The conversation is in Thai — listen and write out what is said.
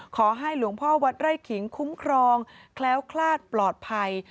ขอให้หลวงพ่อวัดไร่ขิงคุ้มครองแคล้วคลาดปลอดภัย